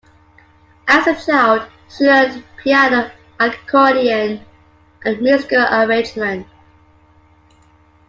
As a child, she learned piano, accordion, and musical arrangement.